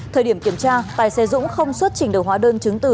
thời điểm kiểm tra tài xe dũng không xuất trình đầu hóa đơn chứng từ